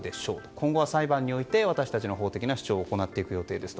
今後は裁判において私たちの法的な主張を行っていく予定です。